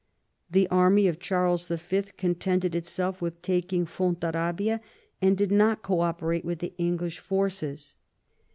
The army of Charles Y. contented itself with taking Fontarabia^ and did not co operate with the English forces.